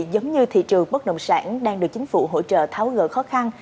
giống như thị trường bất nồng sản đang được chính phủ hỗ trợ tháo gỡ khỏi